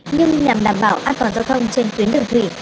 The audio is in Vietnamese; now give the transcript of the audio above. nhưng nhằm đảm bảo an toàn giao thông trên tuyến đường thủy